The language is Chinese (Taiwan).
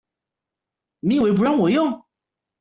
你以為不讓我用